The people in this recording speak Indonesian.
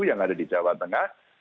yang ada di jawa tengah